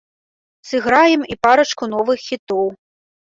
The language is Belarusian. Сыграем і парачку новых хітоў.